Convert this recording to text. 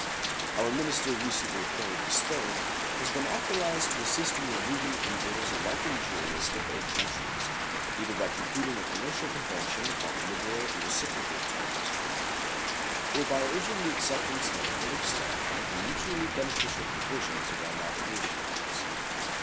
Our minister recently appointed to Spain has been authorized to assist in removing evils alike injurious to both countries, either by concluding a commercial convention upon liberal and reciprocal terms or by urging the acceptance in their full extent of the mutually beneficial provisions of our navigation acts.